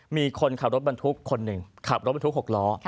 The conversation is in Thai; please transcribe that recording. มีคนขับรถบรรทุกคนหนึ่งขับรถบรรทุก๖ล้อ